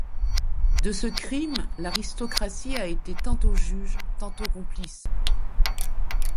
De ce crime l’aristocratie a été tantôt juge, tantôt complice.